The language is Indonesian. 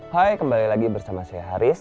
hai kembali lagi bersama saya haris